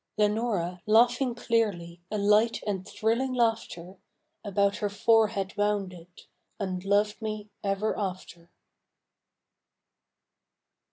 Lenora, laughing clearly A light and thrilling laughter, About her forehead wound it, And loved me ever after.